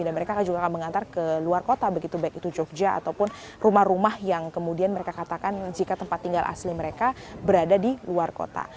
dan mereka juga akan mengantar ke luar kota begitu baik itu jogja ataupun rumah rumah yang kemudian mereka katakan jika tempat tinggal asli mereka berada di luar kota